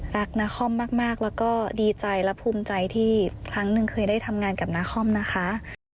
นาคอมมากแล้วก็ดีใจและภูมิใจที่ครั้งหนึ่งเคยได้ทำงานกับนาคอมนะคะ